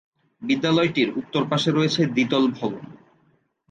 বিদ্যালয়টির উত্তর পাশে রয়েছে দ্বিতল ভবন।